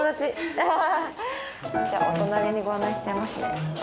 じゃあお隣にご案内しちゃいますね。